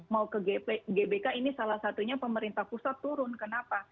mau ke gbk ini salah satunya pemerintah pusat turun kenapa